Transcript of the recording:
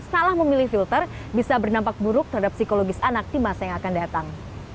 salah memilih filter bisa berdampak buruk terhadap psikologis anak di masa yang akan datang